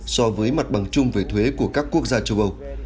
so với mặt bằng chung về thuế của các quốc gia châu âu